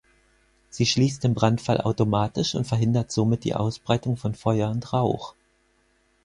Sie schließt im Brandfall automatisch und verhindert somit die Ausbreitung von Feuer und Rauch.